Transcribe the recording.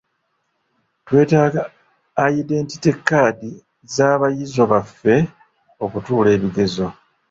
Twetaaga ayidenti kkaadi z'abayizo baffe okutuula ebigezo.